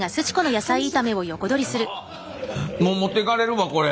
ああもう持っていかれるわこれ。